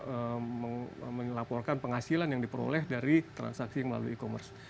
banyak juga yang tidak melaporkan penghasilan yang diperoleh dari transaksi yang melalui e commerce